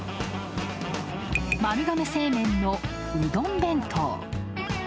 丸亀製麺の、うどん弁当。